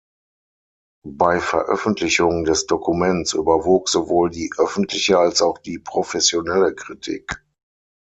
Bei Veröffentlichung des Dokuments überwog sowohl die öffentliche als auch die professionelle Kritik.